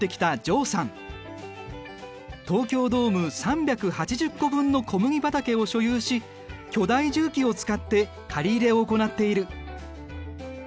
東京ドーム３８０個分の小麦畑を所有し巨大重機を使って刈り入れを行っている。